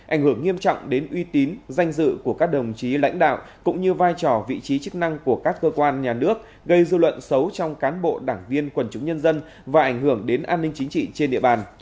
ảnh hưởng nghiêm trọng đến uy tín danh dự của các đồng chí lãnh đạo cũng như vai trò vị trí chức năng của các cơ quan nhà nước gây dư luận xấu trong cán bộ đảng viên quần chúng nhân dân và ảnh hưởng đến an ninh chính trị trên địa bàn